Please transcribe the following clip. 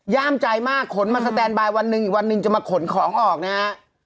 ย่ามใจมากขนมาสแตนบายวันหนึ่งอีกวันหนึ่งจะมาขนของออกนะฮะ